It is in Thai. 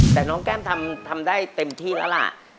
แต่น้องแก้มทำได้เต็มที่แล้วล่ะ